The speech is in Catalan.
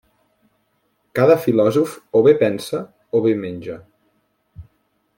Cada filòsof o bé pensa o bé menja.